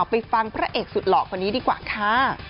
ไปฟังพระเอกสุดหล่อคนนี้ดีกว่าค่ะ